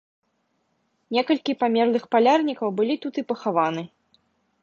Некалькі памерлых палярнікаў былі тут і пахаваны.